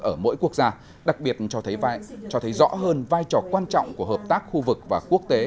ở mỗi quốc gia đặc biệt cho thấy cho thấy rõ hơn vai trò quan trọng của hợp tác khu vực và quốc tế